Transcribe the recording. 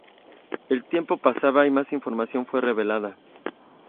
El tiempo pasaba y más información fue revelada.